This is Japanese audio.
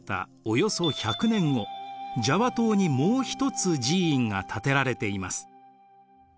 およそ１００年後ジャワ島にもう一つ寺院が建てられています。